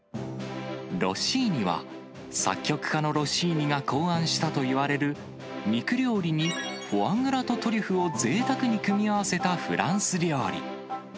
ロッシーニは、作曲家のロッシーニが考案したといわれる肉料理に、フォアグラとトリュフをぜいたくに組み合わせたフランス料理。